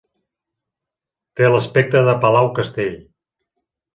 Té l'aspecte de palau-castell.